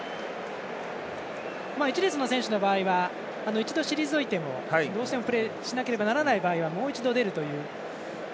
１列の選手の場合は一度退いても、どうしてもプレーをしなければいけない時はもう一度、出るという。